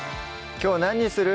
きょう何にする？